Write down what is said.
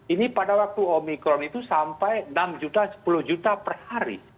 ini pada waktu omikron itu sampai enam juta sepuluh juta per hari